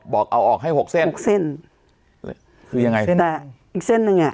บอกเอาออกให้หกเส้นหกเส้นคือยังไงเส้นแต่อีกเส้นหนึ่งอ่ะ